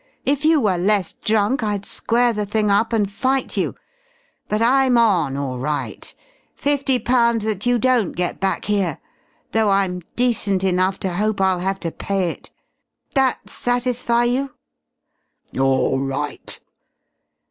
If you were less drunk I'd square the thing up and fight you. But I'm on, all right. Fifty pounds that you don't get back here though I'm decent enough to hope I'll have to pay it. That satisfy you?" "All right."